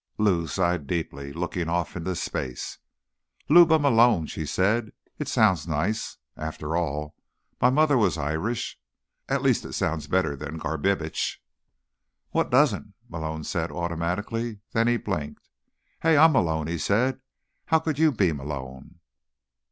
Lou sighed deeply, looking off into space. "Luba Malone," she said. "It sounds nice. And, after all, my mother was Irish. At least it sounds better than Garbitsch." "What doesn't?" Malone said automatically. Then he blinked. "Hey, I'm Malone!" he said. "How could you be Malone?"